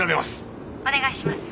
「お願いします」